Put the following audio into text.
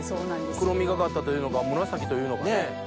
黒みがかったというのか紫というのかね。